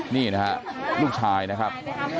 นี่นะครับลูกชายนะครับ